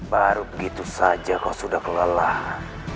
baru begitu saja kok sudah kelelahan